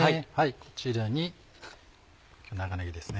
こちらに長ねぎですね。